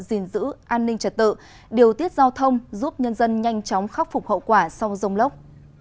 gìn giữ an ninh trật tự điều tiết giao thông giúp nhân dân nhanh chóng khắc phục hậu quả sau dông lốc